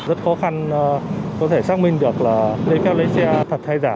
rất khó khăn có thể xác minh được là giấy phép lái xe thật hay giả